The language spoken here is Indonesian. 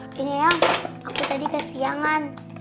gini ayo aku tadi kesiangan